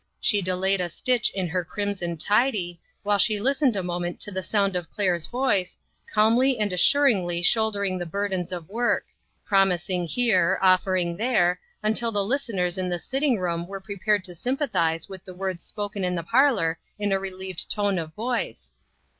She delayed a stitch in her crimson tidy, while she listened a moment to the sound of Claire's voice, calmly and assuringly shouldering the IO INTERRUPTED. burdens of work; promising here, offering there, until the listeners in the sitting room were prepared to sympathize with the words spoken in the parlor in a relieved tone of voice